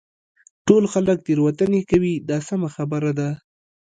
ټول خلک تېروتنې کوي دا سمه خبره ده.